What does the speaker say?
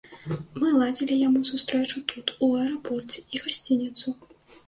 Мы ладзілі яму сустрэчу тут у аэрапорце і гасцініцу.